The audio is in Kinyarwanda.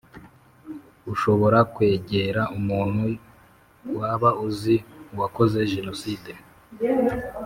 ushobora kwegera umuntu waba uzi wakoze jenoside